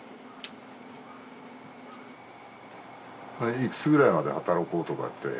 いくつぐらいまで働こうとかって？